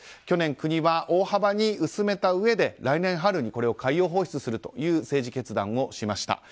去年、国は大幅に薄めたうえで来年春に海洋放出するという政治決断をしました。